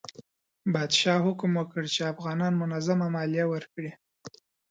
پادشاه حکم وکړ چې افغانان منظمه مالیه ورکړي.